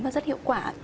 và rất hiệu quả